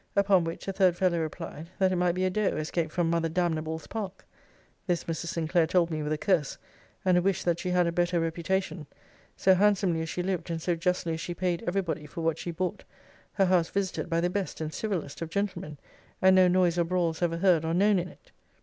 Upon which, a third fellow replied, that it might be a doe escaped from mother Damnable's park. This Mrs. Sinclair told me with a curse, and a wish that she had a better reputation; so handsomely as she lived, and so justly as she paid every body for what she bought; her house visited by the best and civilest of gentlemen; and no noise or brawls ever heard or known in it.